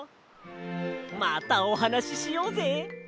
またおはなししようぜ！